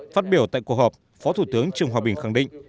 phát biểu tại cuộc họp phó thủ tướng trương hòa bình khẳng định